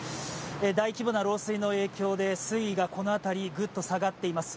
大規模な漏水の影響で水位がこの辺り、ぐっと下がっています。